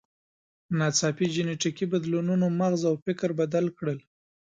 ناڅاپي جینټیکي بدلونونو مغز او فکر بدل کړل.